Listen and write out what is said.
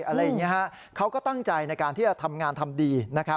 อะไรอย่างนี้เขาก็ตั้งใจในการที่จะทำงานทำดี